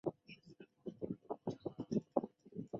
重量级是搏击运动的体重级别之一。